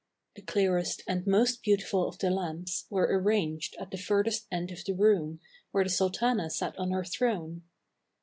The clearest and most beautiful of the lamps were arranged at the furthest end of the room where the sultana sat on her throne.